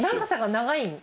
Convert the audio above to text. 長さが長い？